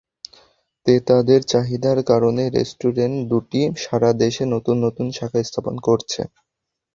ক্রেতাদের চাহিদার কারণে রেস্টুরেন্ট দুটি সারা দেশে নতুন নতুন শাখা স্থাপন করছে।